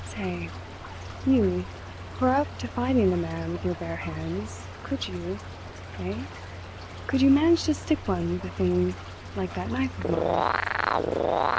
"Say! You, who are up to fighting a man with your bare hands, could you eh? could you manage to stick one with a thing like that knife of mine?"